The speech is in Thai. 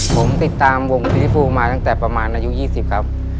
ผมติดตามวงซีริฟูมาตั้งแต่ประมาณอายุ๒๐ครับ